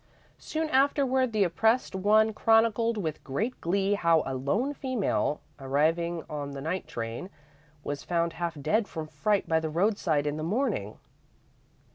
Soon afterward the oppressed one chronicled with great glee how a lone female, arriving on the night train, was found half dead from fright by the roadside in the morning.